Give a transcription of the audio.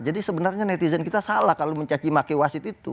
jadi sebenarnya netizen kita salah kalau mencaki maki wasit itu